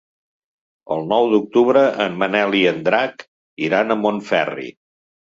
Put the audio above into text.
El nou d'octubre en Manel i en Drac iran a Montferri.